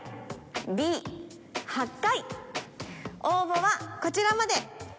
応募はこちらまで。